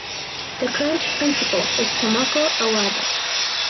The current principal is Tomoko Owada.